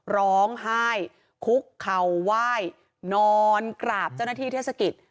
ร้องไห้คุกเข่าไหว้นอนกราบเจ้าหน้าที่เทศกิจ